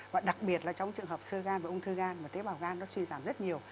và đặc biệt là trong trường hợp sơ gan và ung thư gan và tế bào gan nó suy giảm rất nhiều